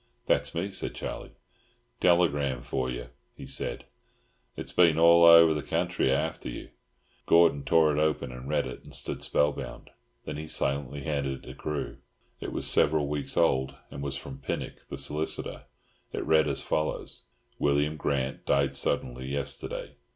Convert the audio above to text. "That's me," said Charlie. "Telegram for you," he said. "It's been all over the country after you." Gordon tore it open, read it, and stood spellbound. Then he silently handed it to Carew. It was several weeks old, and was from Pinnock, the solicitor. It read as follows—"William Grant died suddenly yesterday.